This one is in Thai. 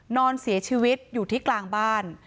นอนเสียชีวิตอยู่ที่กลางบ้าน